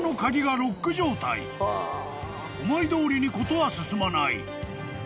［思いどおりに事は進まない］